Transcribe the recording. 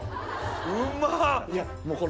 うまっ！